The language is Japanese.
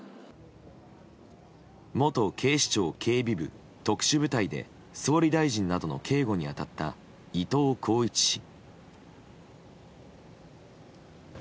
元警視庁刑事部特殊部隊で総理大臣などの警護に当たった伊藤鋼一氏。